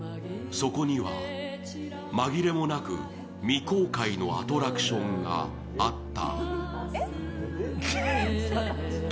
そこには紛れもなく未公開のアトラクションがあった。